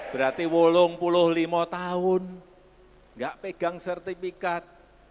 berarti wolong puluh lima tahun nggak pegang sertifikat